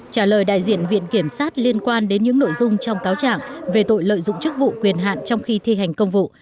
trả lời đại diện viện kiểm sát liên quan đến những nội dung trong cáo trạng về tội lợi dụng chức vụ quyền hạn trong khi thi hành công vụ